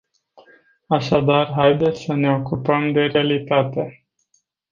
Așadar haideți să ne ocupăm de realitate.